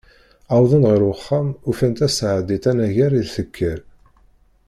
Wwḍen ɣer uxxam, ufan Taseɛdit anagar i d-tekker.